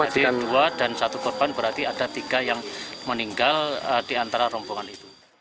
jadi dua dan satu korban berarti ada tiga yang meninggal di antara rombongan itu